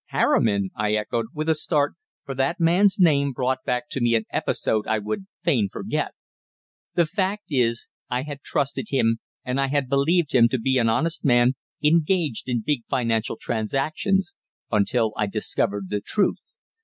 "Harriman!" I echoed, with a start, for that man's name brought back to me an episode I would fain forget. The fact is, I had trusted him, and I had believed him to be an honest man engaged in big financial transactions, until I discovered the truth.